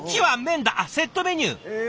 セットメニュー！